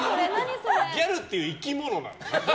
ギャルっていう生き物なの？